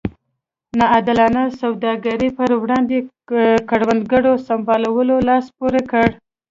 نا عادلانه سوداګرۍ پر وړاندې کروندګرو سمبالولو لاس پورې کړ.